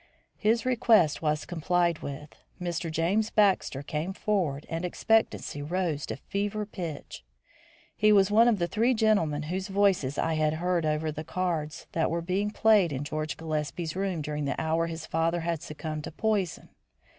His request being complied with, Mr. James Baxter came forward, and expectancy rose to fever point. He was one of the three gentlemen whose voices I had heard over the cards that were being played in George Gillespie's room during the hour his father had succumbed to poison.